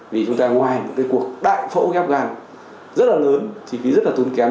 vì chúng ta ngoài một cái cuộc đại phẫu ghép gan rất là lớn chi phí rất là tốn kém